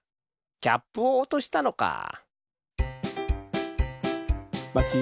キャップをおとしたのか。